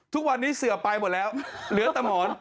ทุกวันนี้เสือไปหมดแล้วเหลือแต่หมอน